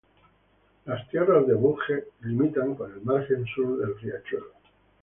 Las tierras de Budge limitan con la margen sur del Riachuelo.